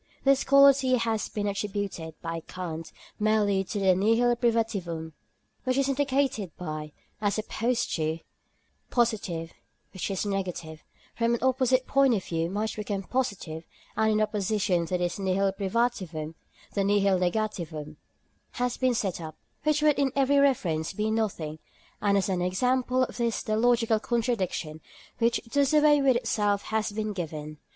This quality has been attributed (by Kant) merely to the nihil privativum, which is indicated by as opposed to +, which , from an opposite point of view, might become +, and in opposition to this nihil privativum the nihil negativum has been set up, which would in every reference be nothing, and as an example of this the logical contradiction which does away with itself has been given.